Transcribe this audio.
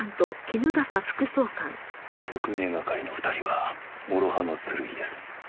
特命係の２人は諸刃の剣です。